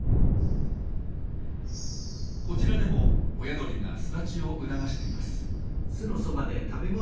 こちらでも親鳥が巣立ちを促しています。